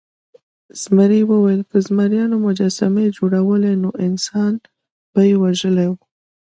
زمري وویل که زمریانو مجسمې جوړولی نو انسان به یې وژلی و.